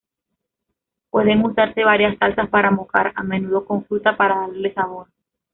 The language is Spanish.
Pueden usarse varias salsas para mojar, a menudo con fruta, para darle sabor.